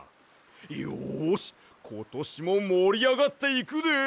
よしことしももりあがっていくで！